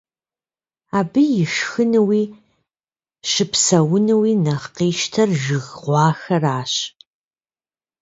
Абы ишхынууи щыпсэунууи нэхъ къищтэр жыг гъуахэращ.